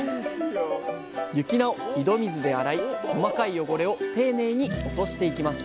雪菜を井戸水で洗い細かい汚れを丁寧に落としていきます